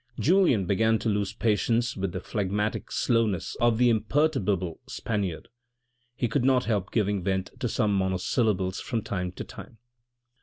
Julien began to lose patience with the phlegmatic slowness of the imperturbable Spaniard ; he could not help giving vent to some monosyllables from time to time.